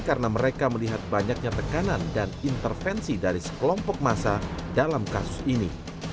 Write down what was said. karena mereka melihat banyaknya tekanan dan intervensi dari sekelompok masa dalam kasus ini